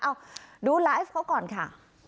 ดูไลฟ์เขาก่อนค่ะ